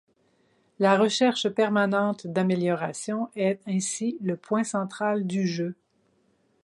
La recherche permanente d'améliorations est ainsi le point central du jeu.